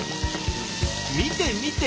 見て見て！